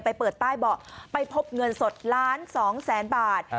ไปเปิดใต้เบาะไปพบเงินสดล้านสองแสนบาท